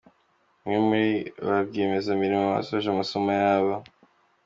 Bamwe muri barwiyemezamirimo basoje amasomo yabo.